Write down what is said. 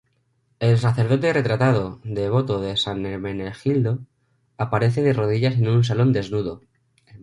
El sacerdote retratado, devoto de san Hermenegildo, aparece de rodillas en un salón desnudo.